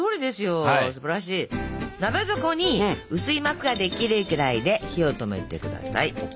鍋底に薄い膜ができるくらいで火を止めて下さい。